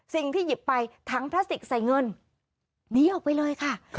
สิ่งที่หยิบไปถังพลาสติกใส่เงินหนีออกไปเลยค่ะ